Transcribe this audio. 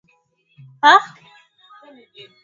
Kijiko cha chakula moja kilichojaa kabisa siagi gram arobaini